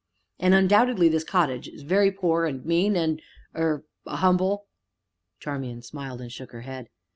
"And, undoubtedly, this cottage is very poor and mean, and er humble?" Charmian smiled and shook her head.